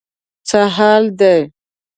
څه حال دی.